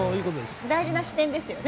大事な視点ですよね。